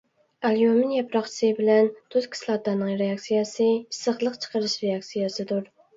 ئاليۇمىن ياپراقچىسى بىلەن تۇز كىسلاتانىڭ رېئاكسىيەسى ئىسسىقلىق چىقىرىش رېئاكسىيەسىدۇر.